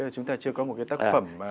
chúng ta chưa có một cái tác phẩm